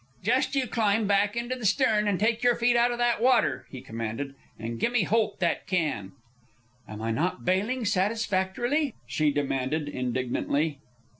"Just you climb back into the stern and take your feet out of that water," he commanded. "And gimme holt that can." "Am I not bailing satisfactorily?" she demanded, indignantly.